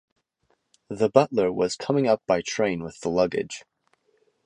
The butler was coming up by train with the luggage.